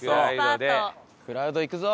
クラウド行くぞ！